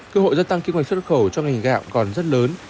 cơ hội gia tăng kim ngạch xuất khẩu cho ngành gạo còn rất lớn